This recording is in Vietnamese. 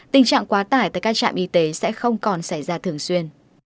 tình trạng quá tải tại các trạm y tế sẽ không còn xảy ra thường xuyên